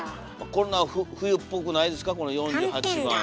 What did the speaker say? こんな冬っぽくないですか４８番の。